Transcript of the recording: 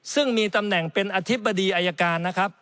ซึ่งมีตำแหน่งเป็นอธิบดีอายการนะครับ